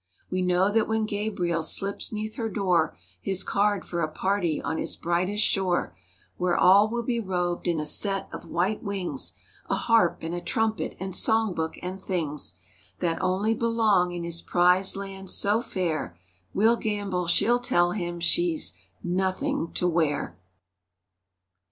We know that when Gabriel slips 'neath her door His card for a party on his brightest shore Where all will be robed in a set of white wings; A harp and a trumpet and song book—and things That only belong in his prized land, so fair— We'll gamble she'll tell him she's—"Nothing to wear."